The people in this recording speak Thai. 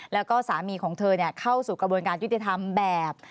แล้วก็สามีของเธอเข้าสู่กระบวนการยุติธรรมแบบ